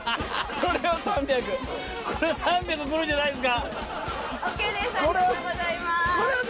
これ３００来るんじゃないですか？